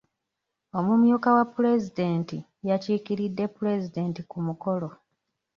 Omumyuka wa pulezidenti yakiikiridde pulezidenti ku mukolo.